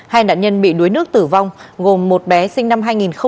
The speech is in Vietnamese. hai nạn nhân bị đuối nước tử vong gồm một bé sinh năm hai nghìn một mươi